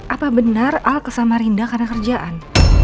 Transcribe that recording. apa benar al kesama rinda karena kerjaan